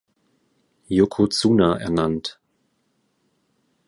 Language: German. Yokozuna ernannt.